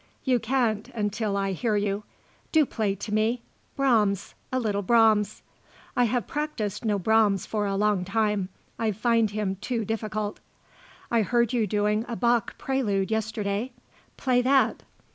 "You can't, until I hear you. Do play to me. Brahms; a little Brahms." "I have practised no Brahms for a long time. I find him too difficult." "I heard you doing a Bach prelude yesterday; play that."